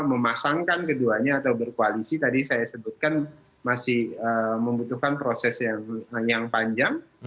memasangkan keduanya atau berkoalisi tadi saya sebutkan masih membutuhkan proses yang panjang